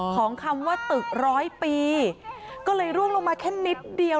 คำว่าตึกร้อยปีก็เลยร่วงลงมาแค่นิดเดียว